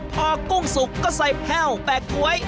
พอกุ้งสุกก็ใส่แห้วแปะก๊วย